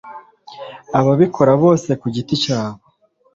abikorera bose ku giti cyabo